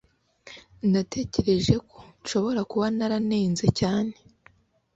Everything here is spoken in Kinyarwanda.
natekereje ko nshobora kuba naranenze cyane